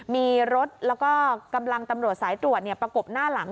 มีรถแล้วก็กำลังตำรวจสายตรวจประกบหน้าหลัง